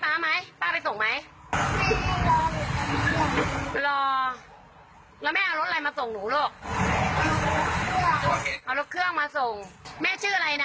เอารถเครื่องมาส่งแม่ชื่ออะไรนะ